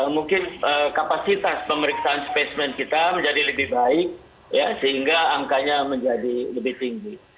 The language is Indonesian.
mungkin kapasitas pemeriksaan spesimen kita menjadi lebih baik sehingga angkanya menjadi lebih tinggi